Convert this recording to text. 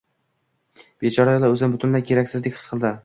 Bechora ayol o`zini butunlay keraksizdek his qildi